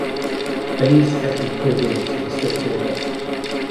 Police had to be called in to restore order.